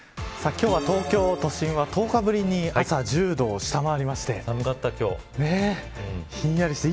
今日は東京都心は１０日ぶりに朝１０度を下回りましてひんやりして。